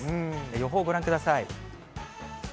予報ご覧ください。